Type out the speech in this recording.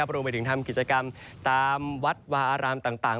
รวมไปถึงทำกิจกรรมตามวัดวาอารามต่าง